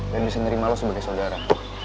dan bisa nerima lo sebagai saudara